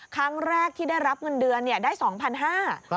ครั้งแรกที่ได้รับเงินเดือนได้๒๕๐๐บาท